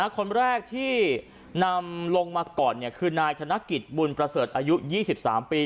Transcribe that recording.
คนแรกที่นำลงมาก่อนคือนายธนกิจบุญประเสริฐอายุ๒๓ปี